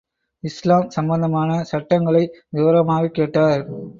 இஸ்லாம் சம்பந்தமான சட்டங்களை விவரமாகக் கேட்டார்.